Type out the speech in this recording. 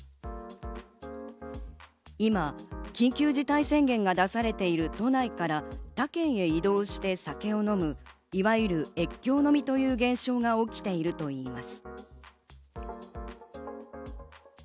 今、緊急事態宣言が出されている都内から他県へ移動して酒を飲むいわゆる越境飲みという現象が起きているといいます。